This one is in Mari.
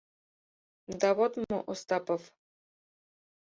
— Да, вот мо, Остапов...